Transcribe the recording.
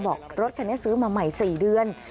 รถคันนี้ซื้อมาใหม่๔เดือน